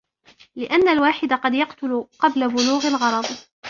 لِأَنَّ الْوَاحِدَ قَدْ يُقْتَلُ قَبْلَ بُلُوغِ الْغَرَضِ